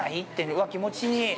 うわ、気持ちいい。